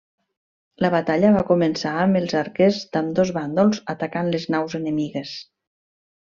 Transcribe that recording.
La batalla va començar amb els arquers d'ambdós bàndols atacant les naus enemigues.